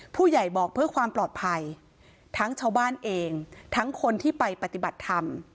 ผู้ใหญ่บอกเพื่อความปลอดภัยทั้งชาวบ้านเองทั้งคนที่ไปปฏิบัติธรรม